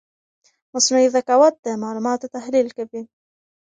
مصنوعي ذکاوت د معلوماتو تحلیل کوي.